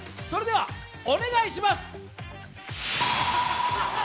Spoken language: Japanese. それではお願いします。